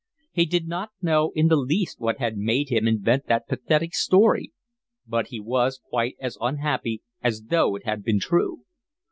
He did not know in the least what had made him invent that pathetic story, but he was quite as unhappy as though it had been true.